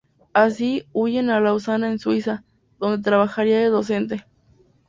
Así, huyen a Lausana en Suiza, donde trabajaría de docente.